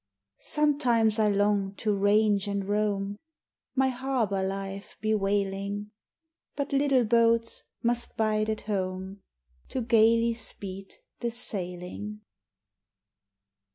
Sometimes I long to range and roam, My harbor life bewailing, But little boats must bide at home, To gayly speed the sailing.